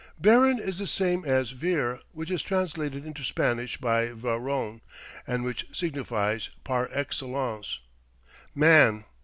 Baron is the same as vir, which is translated into Spanish by varon, and which signifies, par excellence, "Man."